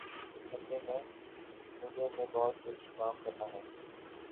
اس ہفتے میں مجھے بہت کچھ کرنا ہے۔